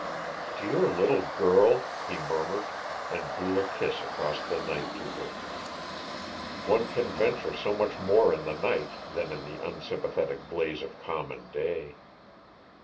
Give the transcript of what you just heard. "Dear little girl," he murmured, and blew a kiss across the night to her. One can venture so much more in the night than in the unsympathetic blaze of common day.